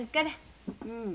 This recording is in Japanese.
うん。